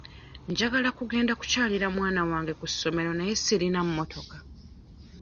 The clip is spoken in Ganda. Njagala kugenda kukyalira mwana wange ku ssomero naye sirina mmotoka.